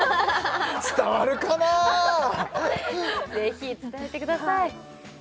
伝わるかなあぜひ伝えてください